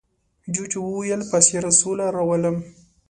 جوجو وویل په سیاره سوله راولم.